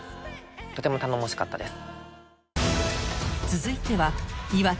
とても頼もしかったです。